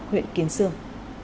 huyện kiến sương